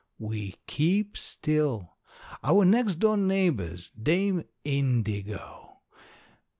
We keep still. Our next door neighbor's Dame Indigo.